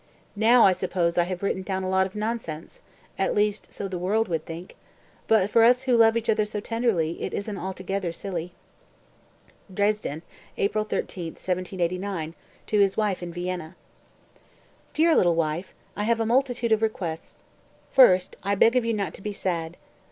Now, I suppose, I have written down a lot of nonsense (at least so the world would think); but for us, who love each other so tenderly, it isn't altogether silly." (Dresden, April 13, 1789, to his wife in Vienna.) 197. "Dear little wife, I have a multitude of requests; 1mo, I beg of you not to be sad.